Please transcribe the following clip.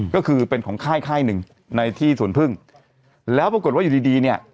ก็คือเป็นของค่ายค่ายหนึ่งในที่สวนพึ่งแล้วปรากฏว่าอยู่ดีดีเนี่ย